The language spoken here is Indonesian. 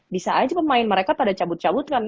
bisa aja pemain mereka pada cabut cabut kan